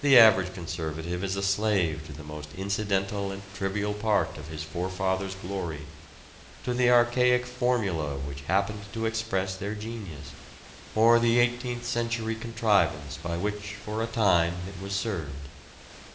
The average conservative is a slave to the most incidental and trivial part of his forefathers' glory to the archaic formula which happened to express their genius or the eighteenth century contrivance by which for a time it was served.